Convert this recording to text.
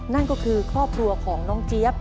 นั่นก็คือครอบครัวของน้องเจี๊ยบ